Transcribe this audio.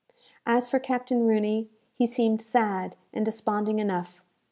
As for Captain Rooney, he seemed sad and desponding enough.